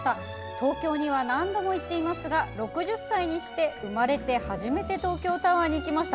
東京には何度も行っていますが６０歳にして生まれて初めて東京タワーに行きました。